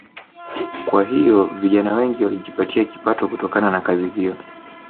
Kwa hiyo vijana wengi wanajipatia kipato kutokana na kazi hiyo